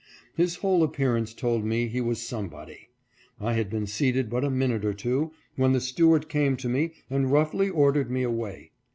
His whole appearance told me he was somebody. I had been seated but a minute or two when the steward came to me and roughly ordered me away.